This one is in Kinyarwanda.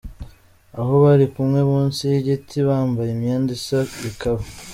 Aho bari kumwe munsi y’igiti bambanye imyenda isa bikaba.